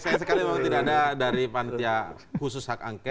saya sekali memang tidak ada dari panitia khusus hak angket